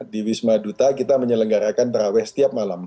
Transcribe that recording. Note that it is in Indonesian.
di wisma duta kita menyelenggarakan terawih setiap malam